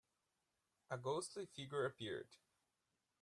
A ghostly figure appeared.